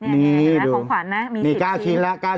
นี่เห็นไหมของขวัญนะมี๙ชิ้นแล้ว